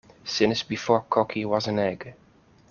Since before cocky was an egg.